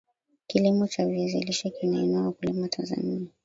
kilimo cha viazi lishe kinainua wakulima tanzania